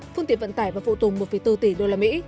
phương tiện vận tải và phụ tùng một bốn tỷ usd